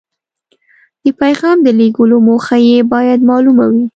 د پیغام د لیږلو موخه یې باید مالومه وي.